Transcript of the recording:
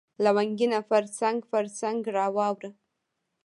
لونګینه پرڅنګ، پرڅنګ را واوړه